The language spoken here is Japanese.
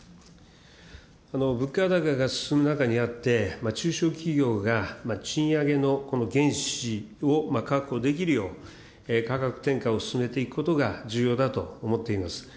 物価高が進む中にあって、中小企業が賃上げのこの原資を確保できるよう、価格転嫁を進めていくことが重要だと思っています。